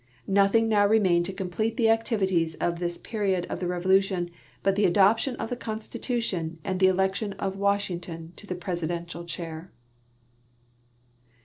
Nothing now remained to complete the activities of this period of the Revolution but the adoption of the Constitution and the election of Washington to the i3residential chair.